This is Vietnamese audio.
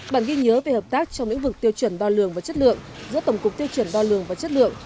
bản ghi nhớ về hợp tác trong lĩnh vực tiêu chuẩn đo lường và chất lượng giữa tổng cục tiêu chuẩn đo lường và chất lượng